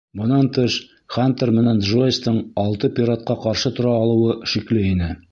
Бынан тыш, Хантер менән Джойстың алты пиратҡа ҡаршы тора алыуы шикле ине.